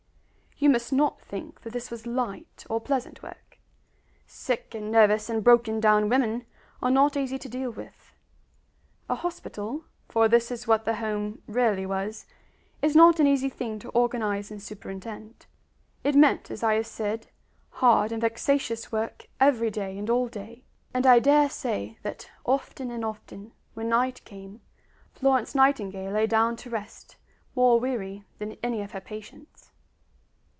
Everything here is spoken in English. You must not think that this was light or pleasant work. Sick and nervous and broken down women are not easy to deal with; a hospital (for this is what the home really was) is not an easy thing to organize and superintend. It meant, as I have said, hard and vexatious work every day and all day; and I dare say that often and often, when night came, Florence Nightingale lay down to rest more weary than any of her patients.